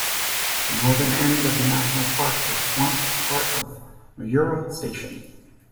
The northern end of the national park was once part of Mayurra Station.